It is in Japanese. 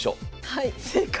はい正解。